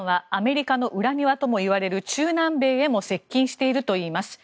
イランはアメリカの裏庭ともいわれる中南米へも接近しているといいます。